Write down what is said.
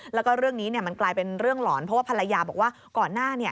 แล้วก็เรื่องนี้มันกลายเป็นเรื่องหลอนเพราะว่าภรรยาบอกว่าก่อนหน้า